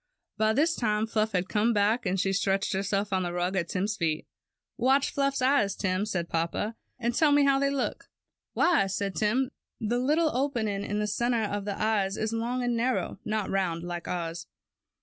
By this time Fluff had come back, and she stretched herself on the rug at Tim^s feet. ^ Watch Fluff's eyes, Tim," said papa, ^^and tell me how they look." ^Why," said Tim, ^The little opening in the center of the eye is long and narrow; not round like ours."